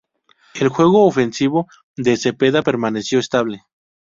El juego ofensivo de Cepeda permaneció estable.